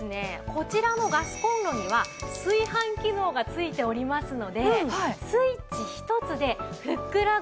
こちらのガスコンロには炊飯機能が付いておりますのでスイッチ１つでふっくらご飯が炊き上がるんです。